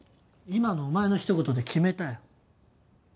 今のお前のひと言で決めたよ。